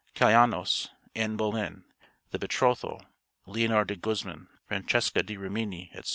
'Calaynos,' 'Anne Boleyn,' 'The Betrothal,' 'Leonor de Guzman,' 'Francesca da Rimini,' etc.